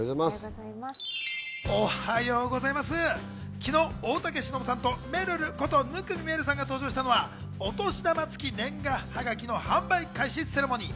昨日、大竹しのぶさんと、めるること生見愛瑠さんが登場したのはお年玉付年賀はがきの販売開始セレモニー。